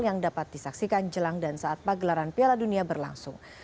yang dapat disaksikan jelang dan saat pagelaran piala dunia berlangsung